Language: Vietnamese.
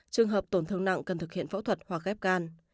trường hợp tổn thương nặng cần thực hiện phẫu thuật hoặc ghép gan